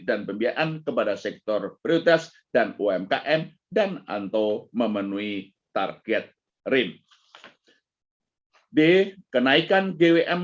dan pembiayaan kepada sektor prioritas dan umkm dan atau memenuhi target rim di kenaikan gwm